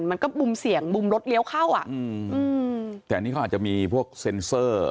มันก็มุมเสี่ยงมุมรถเลี้ยวเข้าอ่ะอืมแต่อันนี้เขาอาจจะมีพวกเซ็นเซอร์